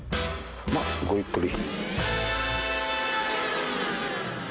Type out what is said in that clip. まあごゆっくり。